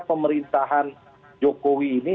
pemerintahan jokowi ini